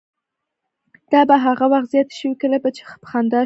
دا به هغه وخت زیاتې شوې کله به چې په خندا شو.